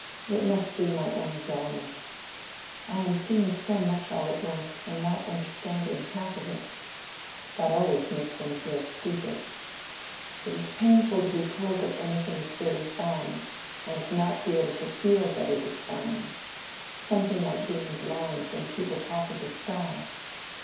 It must be my own dulness. I am seeing so much all at once, and not understanding half of it. That always makes one feel stupid. It is painful to be told that anything is very fine and not be able to feel that it is fine—something like being blind, while people talk of the sky."